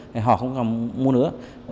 thì họ không còn mua nữa